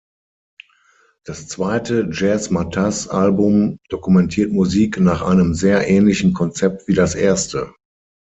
Das zweite Jazzmatazz-Album dokumentiert Musik nach einem sehr ähnlichen Konzept wie das erste.